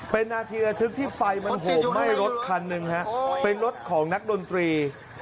เป็นนาทีระทึกที่ไฟมันโหมไหม้รถคันหนึ่งฮะเป็นรถของนักดนตรี